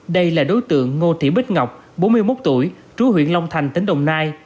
đây là đối tượng ngô thị bích ngọc bốn mươi một tuổi trú huyện long thành tỉnh đồng nai